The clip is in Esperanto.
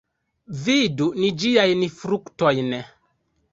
Vidu ni ĝiajn fruktojn!